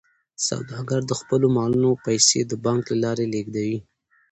سوداګر د خپلو مالونو پیسې د بانک له لارې لیږدوي.